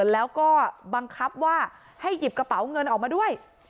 แล้วก็บังคับว่าให้หยิบกระเป๋าเงินออกมาด้วย